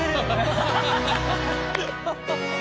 ハハハハ！